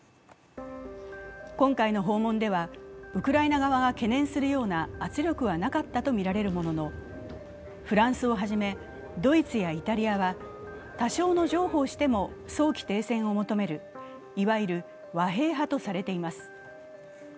今回の訪問ではウクライナ側が懸念するような圧力はなかったとみられるもののフランスを初めドイツやイタリアは多少の譲歩をしても早期停戦を求める、いわゆる和平派とされています。